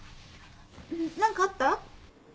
何かあった？